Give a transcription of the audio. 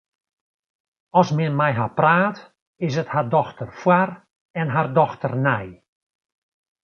As men mei har praat, is it har dochter foar en har dochter nei.